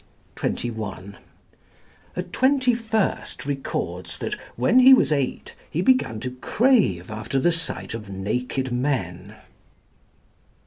(21) A twenty first records that, when he was eight, he began to crave after the sight of naked men.